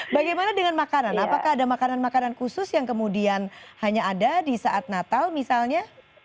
bagaimana dengan makanan apakah ada makanan makanan khusus yang kemudian hanya ada di saat natal misalnya